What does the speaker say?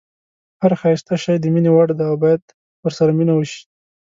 هر ښایسته شی د مینې وړ دی او باید ورسره مینه وشي.